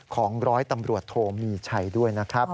ของร้อยตำรวจโทมีชัยด้วยนะครับ